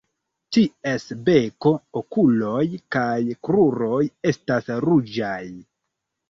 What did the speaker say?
Ties beko, okuloj kaj kruroj estas ruĝaj.